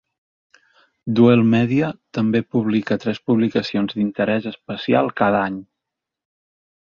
Dwell Media també publica tres publicacions d'interès especial cada any.